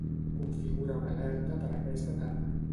Configura una alerta per aquesta tarda.